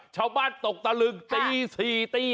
ชาวบ้านตกตะลึงตี๔ตี๕